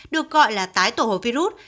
được gọi là tái tổ hợp virus